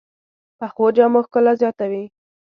پخو جامو ښکلا زیاته وي